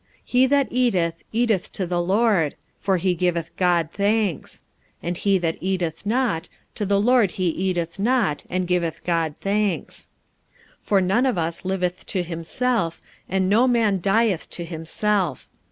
He that eateth, eateth to the Lord, for he giveth God thanks; and he that eateth not, to the Lord he eateth not, and giveth God thanks. 45:014:007 For none of us liveth to himself, and no man dieth to himself.